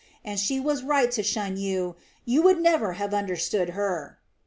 And she was right to shun you you would never have understood her."